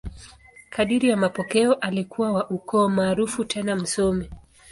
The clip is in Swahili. Kadiri ya mapokeo, alikuwa wa ukoo maarufu tena msomi.